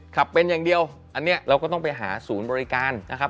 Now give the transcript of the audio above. ขับเป็นอย่างเดียวอันนี้เราก็ต้องไปหาศูนย์บริการนะครับ